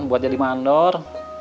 buat jadi mandor